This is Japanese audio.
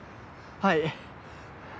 はい。